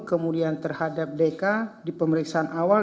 kemudian terhadap deka di pemeriksaan awal